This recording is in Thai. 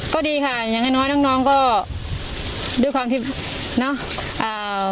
ก็ดีค่ะยังไข่น้อยน้องก็ด้วยความทริปเนาะ